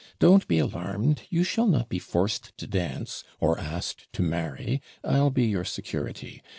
Don't be alarmed; you shall not be forced to dance, or asked to marry. I'll be your security.